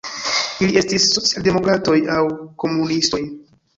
Ili estis socialdemokratoj aŭ komunistoj.